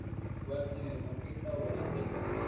Juega como mediocampista o volante de creación.